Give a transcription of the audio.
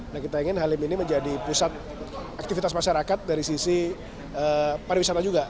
nah kita ingin halim ini menjadi pusat aktivitas masyarakat dari sisi pariwisata juga